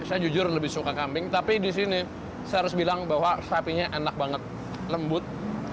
saya jujur lebih suka kambing tapi di sini saya harus bilang bahwa sapinya enak banget lembut